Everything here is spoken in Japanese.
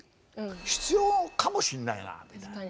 必要かもしんないなみたいな。